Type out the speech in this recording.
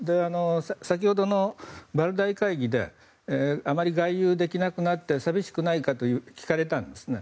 先ほどのバルダイ会議であまり外遊できなくなって寂しくないかと聞かれたんですね。